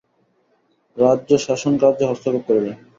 রাজ্যশাসনকার্যে হস্তক্ষেপ করিলেন।